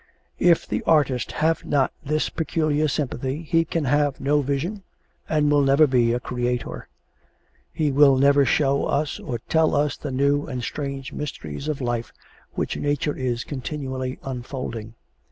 If the artist have not this peculiar sympathy he can have no vision and will never be a creator; he will never show us or tell us the new and strange mysteries of life which nature is continually unfolding.